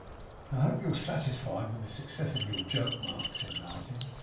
'I hope you're satisfied with the success of your joke, Mark,' said Martin.